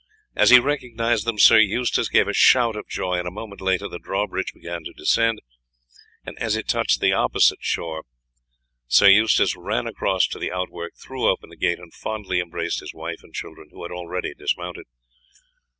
As he recognized them Sir Eustace gave a shout of joy, and a moment later the drawbridge began to descend, and as it touched the opposite side Sir Eustace ran across to the outwork, threw open the gate, and fondly embraced his wife and children, who had already dismounted.